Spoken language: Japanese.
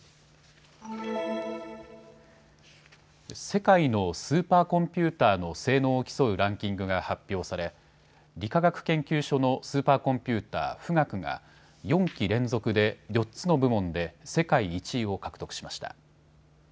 世界のスーパーコンピューターの性能を競うランキングが発表され理化学研究所のスーパーコンピューター、富岳が４期連続で４つの部門で世界１位を獲得しました。